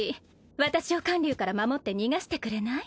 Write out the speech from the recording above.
私を観柳から守って逃がしてくれない？